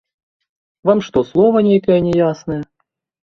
Вам што, слова нейкае няяснае?